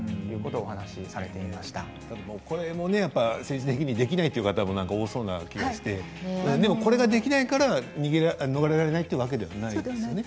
これもね、精神的にできないという方も多そうな気がしてでも、これができないから逃れられないというわけではないですね。